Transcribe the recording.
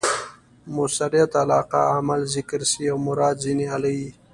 مؤثریت علاقه؛ عمل ذکر سي او مراد ځني آله يي.